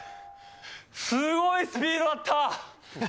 すごいスピードだった。